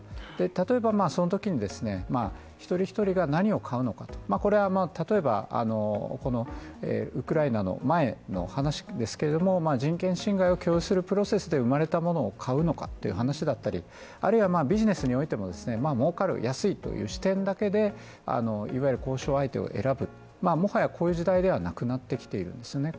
例えばそのときに、一人一人が何を買うのか、これは例えば、ウクライナの前の話ですけれども人権侵害を許容するプロセスで生まれたものを買うのか、あるいはビジネスにおいても儲かる、安いという視点だけで交渉相手を選ぶ、もはやこういう時代ではなくなってきているんですね。